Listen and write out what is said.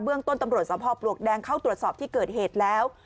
เบื้องต้นตำรวจสทำพอปลวกแดงเข้าตรวจสอบที่เกิดเหตุแล้ว